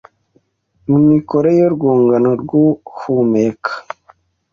mu mikorere y’urwungano rw’ihumeka,